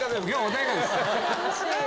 穏やかです。